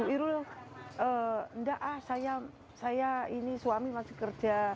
irul enggak ah saya ini suami masih kerja